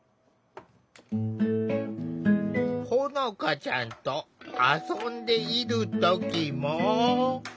ほのかちゃんと遊んでいる時も。